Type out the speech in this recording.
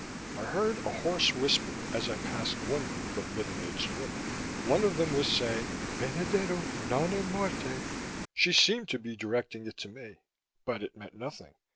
I heard a hoarse whisper as I passed one group of middle aged women. One of them was saying, "Benedetto non é morte." She seemed to be directing it to me; but it meant nothing.